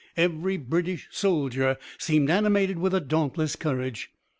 Every British soldier seemed animated with a dauntless courage.